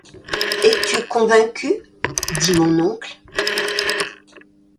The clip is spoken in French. Es-tu convaincu ? dit mon oncle.